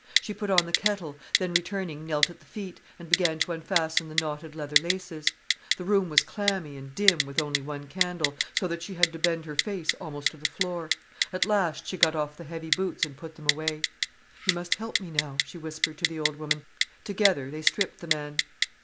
She put on the kettle, then returning knelt at the feet, and began to unfasten the knotted leather laces. The room was clammy and dim with only one candle, so that she had to bend her face almost to the floor. At last she got off the heavy boots and put them away. "You must help me now," she whispered to the old woman. Together they stripped the man.